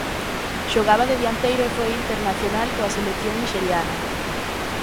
Xogaba de dianteiro e foi internacional coa selección nixeriana.